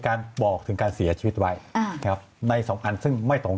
บอกถึงการเสียชีวิตไว้อ่าครับในสองอันซึ่งไม่ตรง